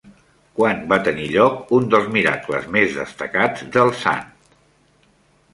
Quan va tenir lloc un dels miracles més destacats del sant?